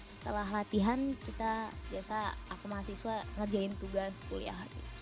setelah latihan kita biasa aku mahasiswa ngerjain tugas kuliah